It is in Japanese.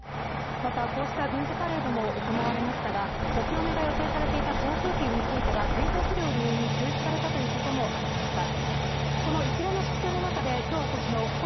また、こうした軍事パレードも行われましたが、お披露目が予定されていた航空機については天候不良を理由に中止されたということもありました。